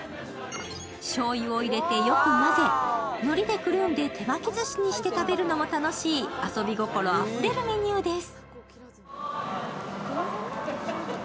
しょうゆを入れてよく混ぜ、のりでくるんで手巻きずしにして食べるのも楽しい、遊び心あふれるメニューです。